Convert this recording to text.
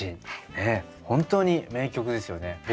本当に名曲ですよね。